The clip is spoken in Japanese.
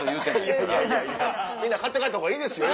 みんな買って帰ったほうがいいですよ。